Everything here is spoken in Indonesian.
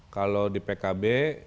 kalau di pkb